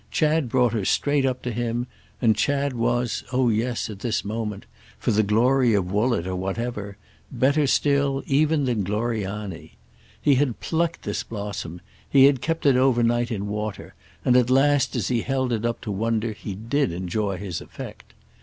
Chad brought her straight up to him, and Chad was, oh yes, at this moment—for the glory of Woollett or whatever—better still even than Gloriani. He had plucked this blossom; he had kept it over night in water; and at last as he held it up to wonder he did enjoy his effect.